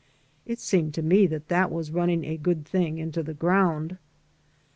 It seemed to me that that was runnmg a good thing into the ground.